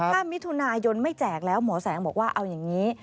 ถ้ามิถุนายนไม่แจกแล้วหมอแสงบอกว่าเอาอย่างนี้